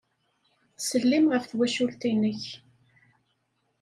Ttsellim ɣef twacult-nnek.